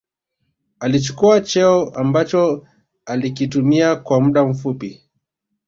alichukua cheo ambacho alikitumia kwa muda mfupi